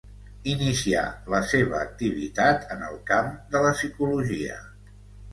Inicià la seva activitat en el camp de la psicologia.